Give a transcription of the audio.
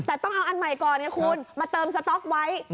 แต่ต้องเอาอันใหม่ก่อนไงคุณมาเติมสต๊อกไว้